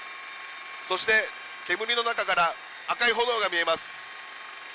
そして煙の中から赤い炎が見えます。